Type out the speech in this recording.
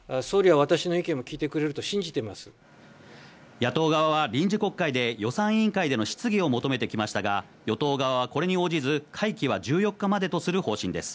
野党側は臨時国会で予算委員会での質疑を求めてきましたが、与党側はこれに応じず、会期は１４日までとする方針です。